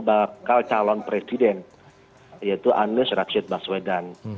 dalam mengusung bakal calon presiden yaitu anies rachid baswedan